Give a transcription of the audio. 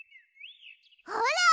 ほら！